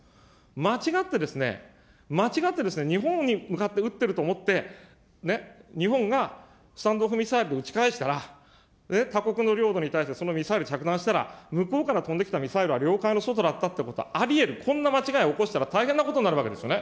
間違って、間違ってですね、日本に向かって撃ってると思って、日本がスタンド・オフ・ミサイル撃ち返したら、他国の領土に対してそのミサイル着弾したら、向こうから飛んできたミサイルが領海の外だったってことはありえる、こんな間違い起こしたら大変なことになるわけですよね。